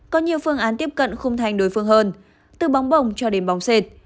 có nhiều phương án tiếp cận không thành đối phương hơn từ bóng bổng cho đến bóng xệt